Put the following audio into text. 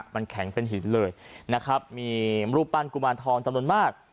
มันแข็งเป็นหินเลยนะครับมีรูปปั้นกุมารทองจำนวนมาก